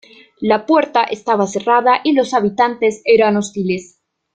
La puerta estaba cerrada y los habitantes eran hostiles.